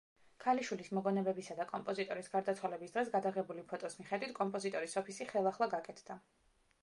ქალიშვილის მოგონებებისა და კომპოზიტორის გარდაცვალების დღეს გადაღებული ფოტოს მიხედვით, კომპოზიტორის ოფისი ხელახლა გაკეთდა.